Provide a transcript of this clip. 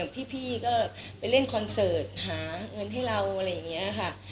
พี่ก็ไปเล่นคอนเสิร์ตหาเงินให้เราอะไรอย่างนี้ค่ะ